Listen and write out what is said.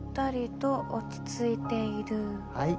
はい。